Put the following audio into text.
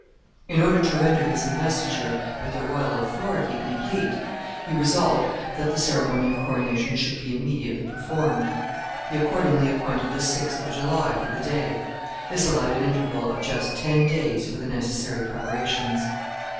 In order to render his investiture with the royal authority complete, he resolved that the ceremony of coronation should be immediately performed. He accordingly appointed the 6th of July for the day. This allowed an interval of just ten days for the necessary preparations.